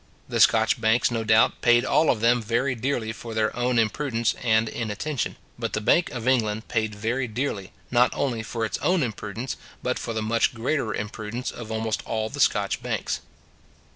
The Scotch banks, no doubt, paid all of them very dearly for their own imprudence and inattention: but the Bank of England paid very dearly, not only for its own imprudence, but for the much greater imprudence of almost all the Scotch banks.